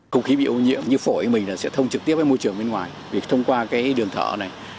không khí bị ô nhiễm như phổi mình sẽ thông trực tiếp với môi trường bên ngoài thông qua cái đường thở này